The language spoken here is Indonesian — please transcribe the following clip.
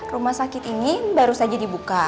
rumah sakit ini baru saja dibuka